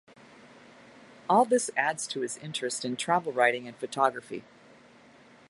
All this adds to his interest in travel writing and photography.